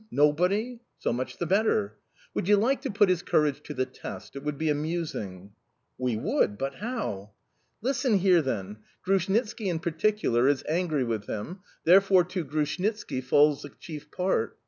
Nobody? So much the better! Would you like to put his courage to the test? It would be amusing"... "We would; but how?" "Listen here, then: Grushnitski in particular is angry with him therefore to Grushnitski falls the chief part.